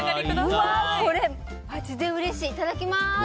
いただきます。